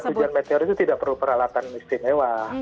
untuk melihat hujan meteor itu tidak perlu peralatan istimewa